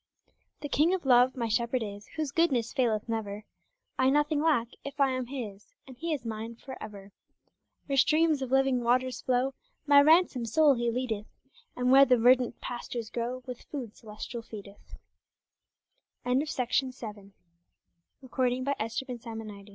The King of Love my Shepherd is Whose goodness faileth never, I nothing lack if I am His And He is mine for ever. Where streams of living waters flow, My ransomed soul He leadeth, And where the verdant pastures grow With food celestial feedeth God is Love and God is